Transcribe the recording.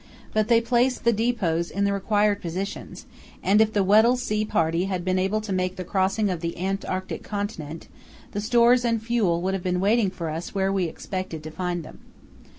But the they placed the depots in the required positions, and if the Weddell Sea party had been able to make the crossing of the Antarctic continent, the stores and fuel would have been waiting for us where we expected to find them.